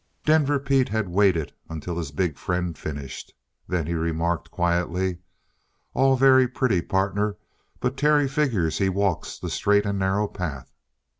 Denver Pete had waited until his big friend finished. Then he remarked quietly: "All very pretty, partner, but Terry figures he walks the straight and narrow path.